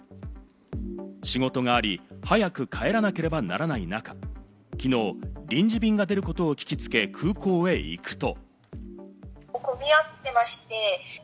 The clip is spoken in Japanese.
仕事があり、早く帰らなければならない中、きのう臨時便が出ることを聞きつけ、空港へ行くと。